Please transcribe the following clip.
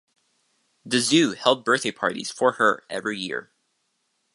The Zoo held birthday parties for her every year.